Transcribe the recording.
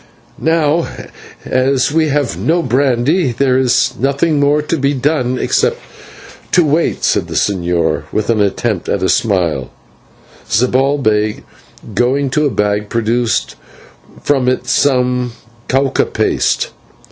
"Now, as we have no brandy, there is nothing more to be done except to wait," said the señor, with an attempt at a smile; but Zibalbay, going to a bag, produced from it some /cuca/ paste.